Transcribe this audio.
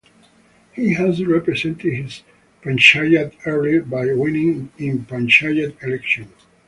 He has represented his Panchayat earlier by winning in Panchayat Election.